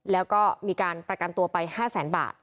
แล้วก็มีการประกันตัวไป๕แสนบาท